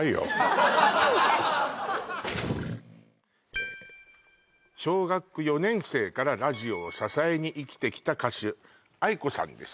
え小学４年生からラジオを支えに生きてきた歌手ａｉｋｏさんです